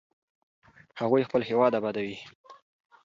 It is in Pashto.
هغوی خپل هېواد ابادوي.